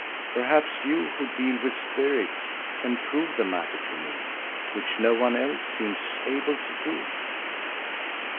Perhaps you who deal with spirits, can prove the matter to me, which no one else seems able to do."